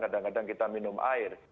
kadang kadang kita minum air